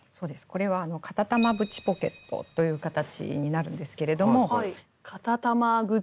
これは「片玉縁ポケット」という形になるんですけれども。